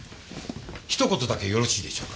ひと言だけよろしいでしょうか。